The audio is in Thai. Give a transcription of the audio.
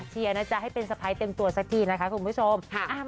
เชียร์นะจ๊ะให้เป็นสะพ้ายเต็มตัวสักทีนะคะคุณผู้ชม